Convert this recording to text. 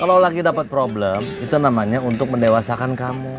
kalau lagi dapat problem itu namanya untuk mendewasakan kamu